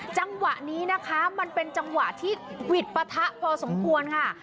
จังหวะนี้นะคะมันเป็นจังหวะที่หวิดปะทะพอสมควรค่ะ